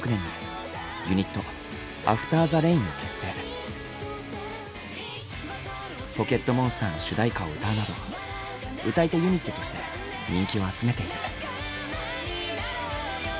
まふまふとは「ポケットモンスター」の主題歌を歌うなど歌い手ユニットとして人気を集めている。